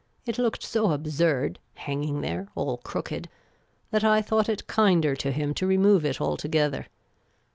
It looked so absurd, hanging there, all crooked, that I thought it kinder to him to remove it altogether.